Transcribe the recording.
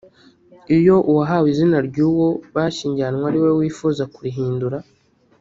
Iyo uwahawe izina ry’uwo bashyingiranywe ari we wifuza kurihindura